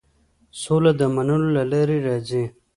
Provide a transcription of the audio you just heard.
سوله د منلو له لارې راځي.